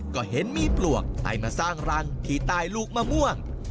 ก็เห็นมีปลวกให้มาสร้างรังที่ใต้ลูกมะม่วง